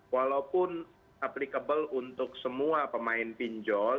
walaupun applicable untuk semua pemain pinjol